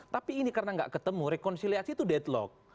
tapi ini karena nggak ketemu rekonsiliasi itu deadlock